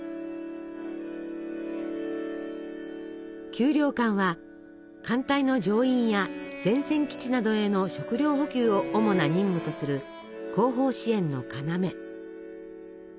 給糧艦は艦隊の乗員や前線基地などへの食糧補給を主な任務とする後方支援の要。